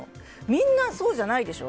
みんなそうじゃないでしょ！